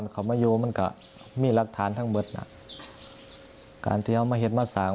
กันไปก็เห็นแล้วมันก่อนก็ไม่มีบางอย่าง